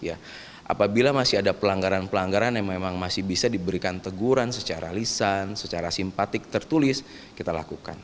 apabila masih ada pelanggaran pelanggaran yang memang masih bisa diberikan teguran secara lisan secara simpatik tertulis kita lakukan